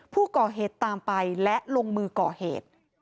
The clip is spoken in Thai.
ผู้ก่อเหตุตามไปและลงมือก่อเหตุ